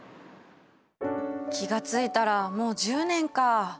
気が付いたらもう１０年か。